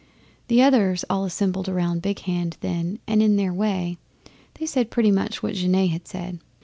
'The others all assembled round Big Hand then, and, in their way, they said pretty much what Genet had said.